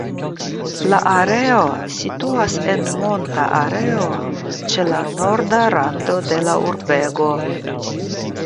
La areo situas en monta areo ĉe la norda rando de la urbego.